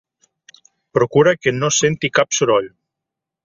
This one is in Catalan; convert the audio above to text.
Procura que no senti cap soroll.